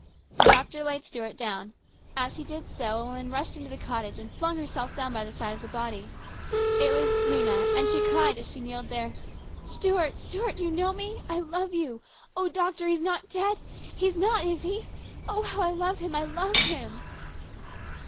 The doctor laid Stuart down. As he did so, a woman rushed into the cottage and flung herself down by the side of the body. It was Rhena, and she cried as she kneeled there :" Stuart ! Stuart ! Do you know me ? I love you ! Oh, doctor, he is not dead ! He is not, is he ? Oh, how I love him ! I love him